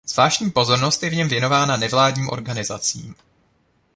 Zvláštní pozornost je v něm věnována nevládním organizacím.